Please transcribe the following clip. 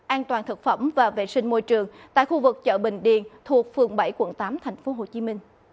an toàn thực phẩm và vệ sinh môi trường tại khu vực chợ bình điền thuộc phường bảy quận tám tp hcm